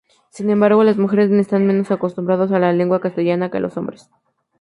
Sin embargo, las mujeres están menos acostumbrados a la lengua castellana que los hombres.